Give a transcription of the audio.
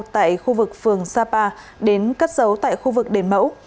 tại khu vực phường sapa đến cất giấu tại khu vực đền mẫu